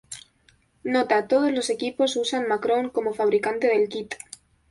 Nota: Todos los equipos usan Macron como fabricante del kit.